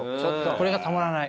これがたまらない。